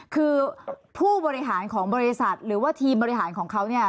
คือผู้บริหารของบริษัทหรือว่าทีมบริหารของเขาเนี่ย